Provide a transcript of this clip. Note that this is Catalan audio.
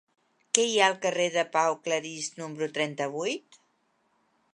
Què hi ha al carrer de Pau Claris número trenta-vuit?